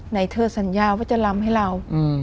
เธอสัญญาว่าจะลำให้เรา